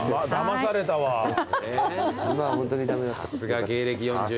さすが！